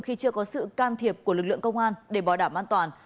khi chưa có sự can thiệp của lực lượng công an để bảo đảm an toàn